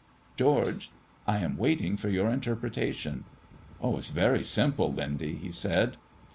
"George, I am waiting for your interpretation." "It is very simple, Lindy," he said.